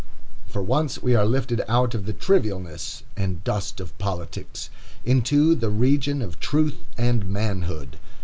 For once we are lifted out of the trivialness and dust of politics into the region of truth and manhood.